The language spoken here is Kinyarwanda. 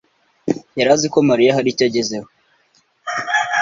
yari azi ko Mariya hari icyo agezeho.